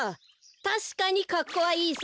たしかにかっこはいいさ。